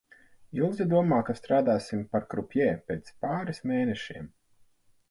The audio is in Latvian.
Ilze domā, ka strādāsim par krupjē pēc pāris mēnešiem.